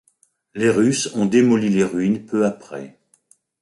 Les Russes ont démoli les ruines peu après.